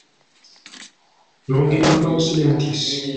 Longe ambaŭ silentis.